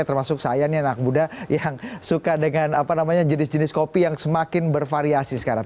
termasuk saya nih anak muda yang suka dengan jenis jenis kopi yang semakin bervariasi sekarang